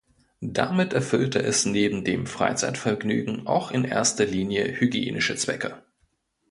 Damit erfüllte es neben dem Freizeitvergnügen auch in erster Linie hygienische Zwecke.